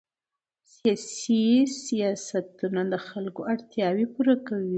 سیاسي سیاستونه د خلکو اړتیاوې پوره کوي